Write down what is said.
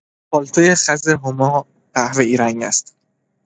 پالتوی خز هما قهوهای رنگ است.